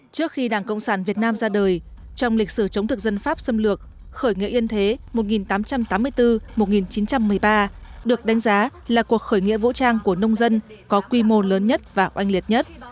trước khi đảng cộng sản việt nam ra đời trong lịch sử chống thực dân pháp xâm lược khởi nghĩa yên thế một nghìn tám trăm tám mươi bốn một nghìn chín trăm một mươi ba được đánh giá là cuộc khởi nghĩa vũ trang của nông dân có quy mô lớn nhất và oanh liệt nhất